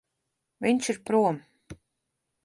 Viņš ir prom.